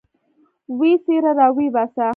ويې څيره راويې باسه.